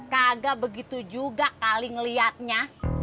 kagak begitu juga kali ngeliatnya